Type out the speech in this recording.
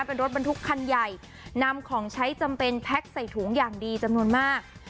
เป็นรถบรรทุกคันใหญ่นำ